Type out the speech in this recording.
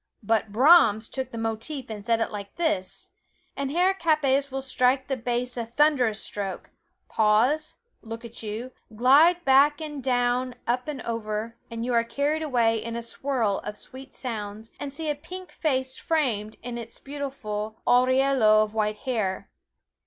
"But Brahms took the motif and set it like this" and Herr Kappes will strike the bass a thunderous stroke pause, look at you, glide back and down, up and over, and you are carried away in a swirl of sweet sounds, and see a pink face framed in its beautiful aureole of white hair.